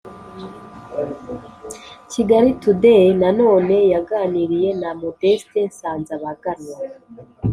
kigali today na none yaganiriye na modeste nsanzabaganwa,